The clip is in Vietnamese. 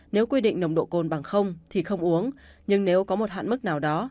nếu quy định nồng độ cồn bằng không thì không uống nhưng nếu có một hạn mức nào đó